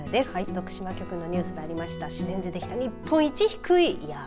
徳島局のニュースでありました日本一低い山。